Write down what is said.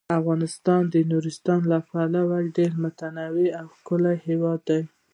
افغانستان د نورستان له پلوه یو ډیر متنوع او ښکلی هیواد دی.